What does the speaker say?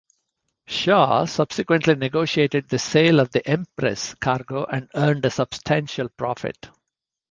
Shaw subsequently negotiated the sale of the "Empress" cargo and earned a substantial profit.